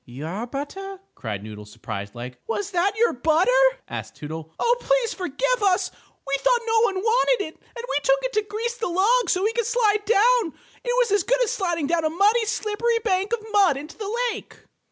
"Your butter?" cried Noodle, surprised like. "Was that your butter?" asked Toodle. "Oh, please forgive us! We thought no one wanted it, and we took it to grease the log so we could slide down. It was as good as sliding down a muddy, slippery bank of mud into the lake."